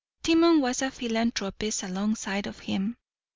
Timon was a philanthropist alongside of him.